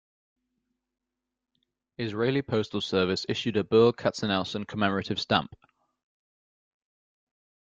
Israeli Postal Service issued a Berl Katzenelson commemorative stamp.